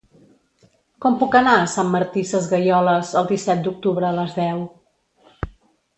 Com puc anar a Sant Martí Sesgueioles el disset d'octubre a les deu?